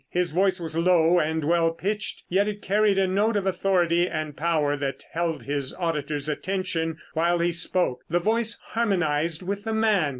His voice was low and well pitched yet it carried a note of authority and power that held his auditors' attention while he spoke. The voice harmonized with the man.